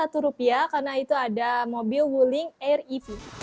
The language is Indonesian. terima kasih shopee